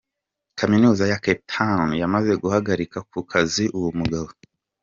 Kaminuza ya Cape Town yamaze guhagarika ku kazi uwo mugabo.